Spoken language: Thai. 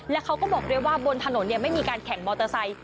และเขาก็บอกเลยว่าบนถนนเนี่ยไม่มีการแข่งมอเตอร์ไซค์